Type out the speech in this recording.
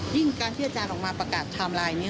การที่อาจารย์ออกมาประกาศไทม์ไลน์นี้